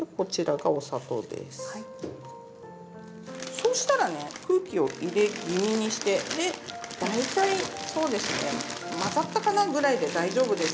そうしたらね空気を入れ気味にして大体そうですね混ざったかなぐらいで大丈夫です。